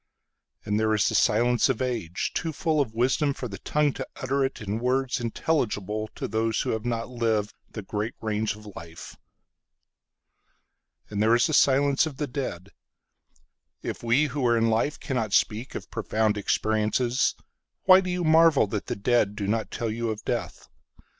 And there is the silence of age, Too full of wisdom for the tongue to utter itIn words intelligible to those who have not livedThe great range of life. And there is the silence of the dead. If we who are in life cannot speakOf profound experiences, Why do you marvel that the deadDo not tell you of death?